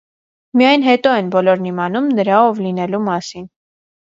Միայն հետո են բոլորն իմանում նրա ով լինելու մասին։